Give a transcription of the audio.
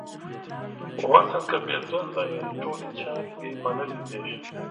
وصل که بیلتون دې ټولي چارې دې منلې دي